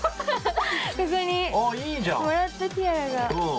ここにもらったティアラが。